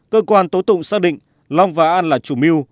cơ quan tố tụng xác định long và an là chủ mưu